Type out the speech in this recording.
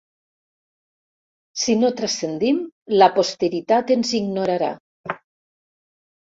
Si no transcendim la posteritat ens ignorarà.